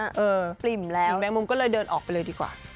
หญิงแมงมุมก็เลยเดินออกไปเลยดีกว่า